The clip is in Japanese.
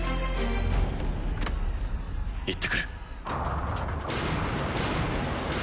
行ってくる。